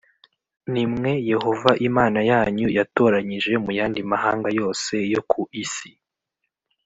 Ni mwe Yehova Imana yanyu yatoranyije mu yandi mahanga yose yo ku isi,